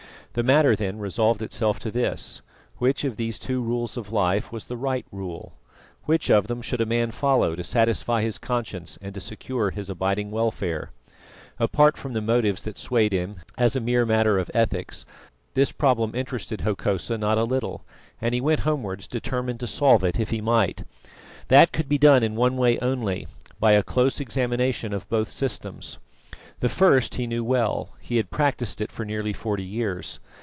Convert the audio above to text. The matter, then, resolved itself to this: which of these two rules of life was the right rule? Which of them should a man follow to satisfy his conscience and to secure his abiding welfare? Apart from the motives that swayed him, as a mere matter of ethics, this problem interested Hokosa not a little, and he went homewards determined to solve it if he might. That could be done in one way only by a close examination of both systems. The first he knew well; he had practised it for nearly forty years.